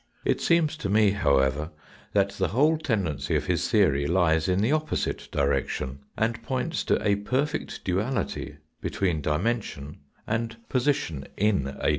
It seems to me, however, that the whole tendency of his theory lies in the opposite direction, and points to a perfect duality between dimension and position in a dimension.